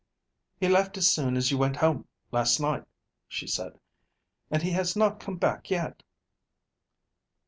"He left as soon as you went home last night," she said, "and he has not come back yet."